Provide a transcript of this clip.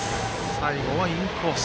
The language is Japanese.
最後はインコース。